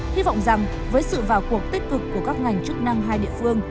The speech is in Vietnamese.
hy vọng rằng với sự vào cuộc tích cực của các ngành chức năng hai địa phương